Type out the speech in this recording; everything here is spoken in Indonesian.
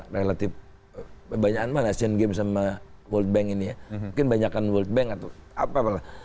relatif banyakan malah asian games sama world bank ini ya mungkin banyakan world bank atau apa malah